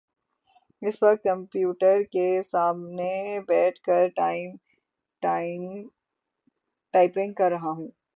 اس وقت کمپیوٹر کے سامنے بیٹھ کر ٹائپنگ کر رہا ہوں۔